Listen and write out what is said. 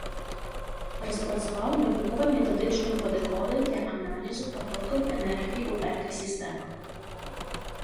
Распрацаваў навукова-метадычныя падыходы для аналізу патокаў энергіі ў экасістэмах.